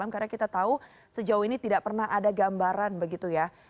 karena kita tahu sejauh ini tidak pernah ada gambaran begitu ya